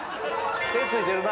手突いてるな。